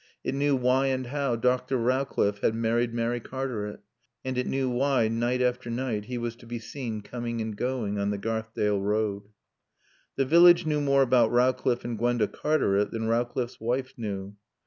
It knew why and how Dr. Rowcliffe had married Mary Cartaret. And it knew why, night after night, he was to be seen coming and going on the Garthdale road. The village knew more about Rowcliffe and Gwenda Cartaret than Rowcliffe's wife knew.